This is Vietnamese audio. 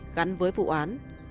gắn với vụ án